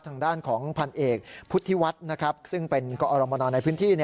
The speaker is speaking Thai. ทางด้านของพันเอกพุทธิวัฒน์ซึ่งเป็นกอรมนในพื้นที่